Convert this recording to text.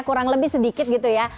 kurang lebih sedikit gitu ya